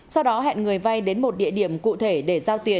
sau đó hẹn người vay đến một địa điểm cụ thể để giao tiền